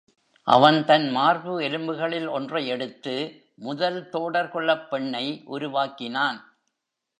அவன் தன் மார்பு எலும்புகளில் ஒன்றை எடுத்து, முதல் தோடர்குலப் பெண்ணை உருவாக்கினான்.